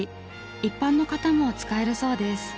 一般の方も使えるそうです。